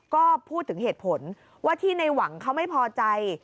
ก็พูดถึงเหตุผลว่าที่ในหวังเขาไม่พอใจ